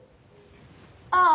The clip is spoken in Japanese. ああ。